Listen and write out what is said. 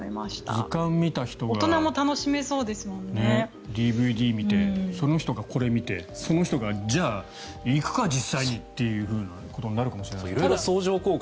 図鑑を見た人がＤＶＤ見てその人がこれを見てその人が、じゃあ行くか、実際にということになるかもしれないですね。